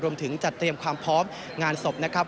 รวมถึงจัดเตรียมความพร้อมงานศพนะครับ